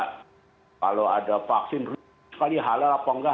kalau ada vaksin halal apa enggak